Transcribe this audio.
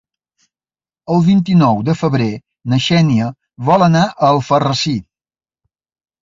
El vint-i-nou de febrer na Xènia vol anar a Alfarrasí.